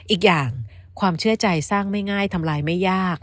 อีกอย่างความเชื่อใจสร้างไม่ง่ายทำลายไม่ยาก